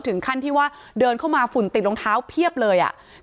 ถึงขั้นที่ว่าเดินเข้ามาฝุ่นติดรองเท้าเพียบเลยอ่ะ